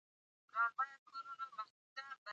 پولي تورم خلک بې وزله کوي.